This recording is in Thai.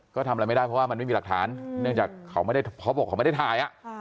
ก็ทำอะไรไม่ได้เพราะว่ามันไม่มีหลักฐานเพราะเขาบอกเขาไม่ได้ถ่ายอะ